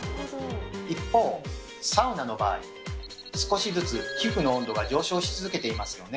一方サウナの場合少しずつ皮膚の温度が上昇し続けていますよね。